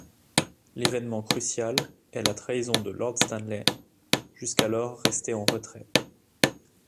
L'événement crucial est la trahison de Lord Stanley, jusqu'alors resté en retrait.